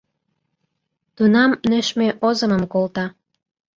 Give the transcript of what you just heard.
Тунам нӧшмӧ озымым колта;